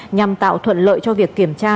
nhằm tạo thuận lợi cho việc kiểm tra